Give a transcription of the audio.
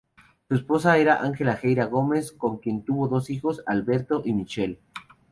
Su esposa era Ángela Jeria Gómez con quien tuvo dos hijos, Alberto y Michelle.